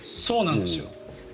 そうなんですよ。